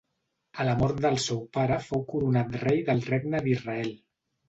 A la mort del seu pare fou coronat rei del Regne d'Israel.